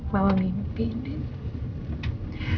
mama mimpi nenek